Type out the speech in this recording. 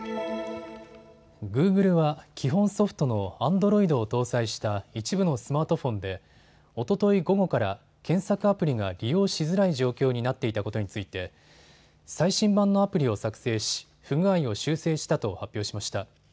グーグルは基本ソフトのアンドロイドを搭載した一部のスマートフォンでおととい午後から検索アプリが利用しづらい状況になっていたことについて最新版のアプリを作成し不具合を修正したと発表しました。